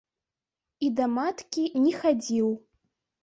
І да маткі не хадзіў.